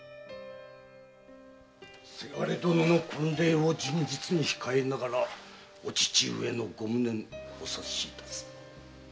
せがれ殿の婚礼を旬日に控えながらお父上のご無念お察しいたす。